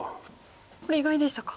これ意外でしたか。